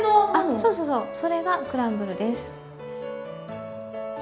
そうそうそうそれがクランブルです。